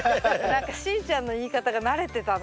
何かしーちゃんの言い方が慣れてたな。